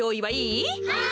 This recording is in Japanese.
はい！